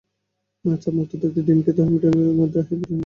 চাপমুক্ত থাকতে ডিম খেতে হবেডিমের মধ্যে রয়েছে হাই প্রোটিন এবং ভিটামিন বি।